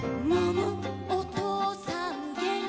おとうさんげんきがない」